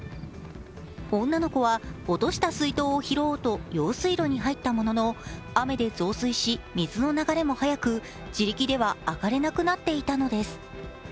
女の子は落とした水筒を拾おうと用水路に入ったものの雨で増水し水の流れも速く自力ではあがれなくなっていたのです。